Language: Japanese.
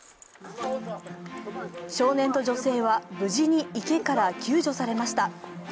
少年と女性は無事に池から救助されました。